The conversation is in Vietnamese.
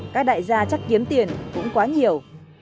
các đại gia chắc kiếm tiền cũng quá nhiều